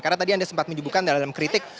karena tadi anda sempat menyebutkan dalam kritik